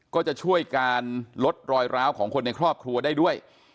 ก็จะช่วยการลดรอยร้าวของคนในครอบครัวได้ด้วย